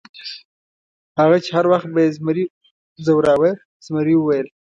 هغه چې هر وخت به یې زمري ځوراوه، زمري وویل.